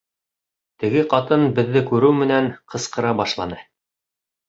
Теге ҡатын, беҙҙе күреү менән, ҡысҡыра башланы: